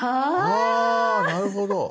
あなるほど。